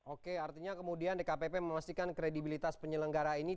oke artinya kemudian dkpp memastikan kredibilitas penyelenggara ini